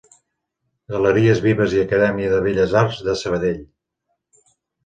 Galeries Vives i Acadèmia de Belles Arts de Sabadell.